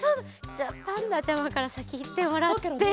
じゃあパンダちゃまからさきいってもらって。